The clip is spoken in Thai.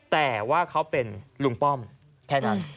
แต่ว่าเขาเป็นลุงป้อมแค่นั้น